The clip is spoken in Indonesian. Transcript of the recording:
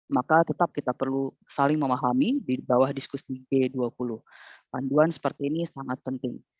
maka tetap kita perlu saling memahami di bawah diskusi g dua puluh panduan seperti ini sangat penting